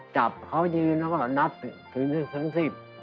จับเขายืนแล้วก็นับถือทั้งสิบ